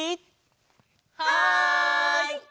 はい！